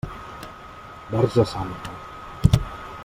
Verge Santa!